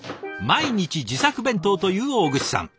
毎日自作弁当という大串さん。